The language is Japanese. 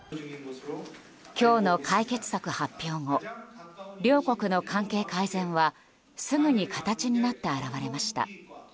今日の解決策発表後両国の関係改善はすぐに形になって表れました。